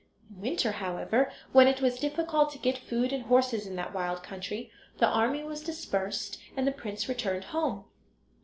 In winter, however, when it was difficult to get food and horses in that wild country, the army was dispersed, and the prince returned home.